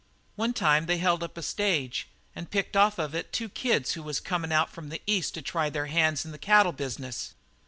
"One time they held up a stage and picked off of it two kids who was comin' out from the East to try their hands in the cattle business.